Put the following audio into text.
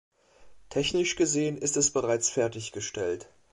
Technisch gesehen ist es bereits fertig gestellt.